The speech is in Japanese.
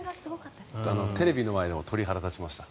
テレビの前でも鳥肌が立ちました。